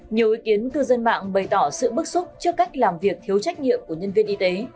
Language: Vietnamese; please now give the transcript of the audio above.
nhiều ý kiến cư dân mạng bày tỏ sự bức xúc trước cách làm việc thiếu trách nhiệm của nhân viên y tế